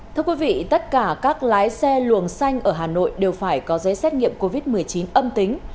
thưa quý vị tất cả các lái xe luồng xanh ở hà nội đều phải có giấy xét nghiệm covid một mươi chín âm tính